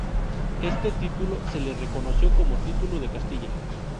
Éste título se le reconoció como título de Castilla.